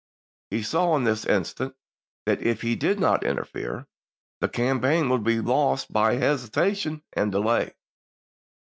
He saw, in this instance, that if he did not interfere the campaign would be lost by hesitation and delay.